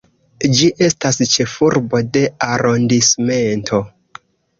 Ĝi estas ĉefurbo de arondismento.